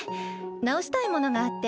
なおしたいものがあって。